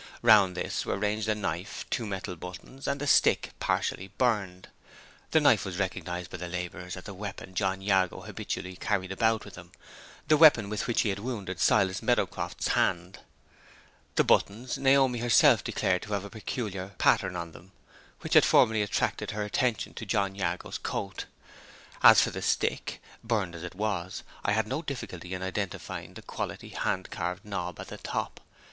Round this were ranged a knife, two metal buttons, and a stick partially burned. The knife was recognized by the laborers as the weapon John Jago habitually carried about with him the weapon with which he had wounded Silas Meadowcroft's hand. The buttons Naomi herself declared to have a peculiar pattern on them, which had formerly attracted her attention to John Jago's coat. As for the stick, burned as it was, I had no difficulty in identifying the quaintly carved knob at the top.